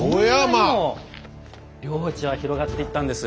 こんなにも領地は広がっていったんです。